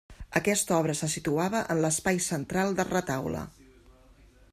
Aquesta obra se situava en l'espai central del retaule.